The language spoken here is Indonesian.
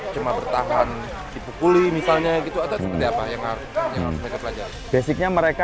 setelah olivet masuk ke inusi g apps invece